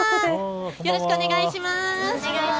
よろしくお願いします。